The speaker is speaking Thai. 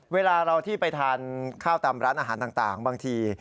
เวลาเราที่ไปทานข้าวตามร้านอาหารต่างบางที